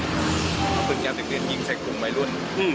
เอาปืนกรับเด็กเล่นยิงใส่กลุ่มวัยรุ่น